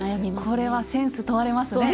これはセンス問われますね。